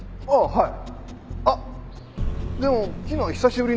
はい。